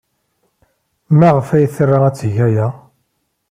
Maɣef ay tra ad teg aya?